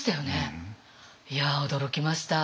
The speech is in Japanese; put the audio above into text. いや驚きました。